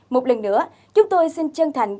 một lần nữa chúng tôi xin chân thành